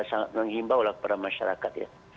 sangat mengimbau kepada masyarakat ya